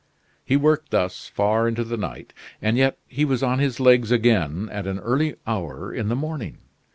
He worked thus, far into the night, and yet he was on his legs again at an early hour in the morning.